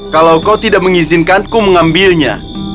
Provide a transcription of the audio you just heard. kalau kau tidak mengizinkanku mengambilnya